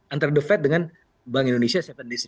antara the fed dengan bank indonesia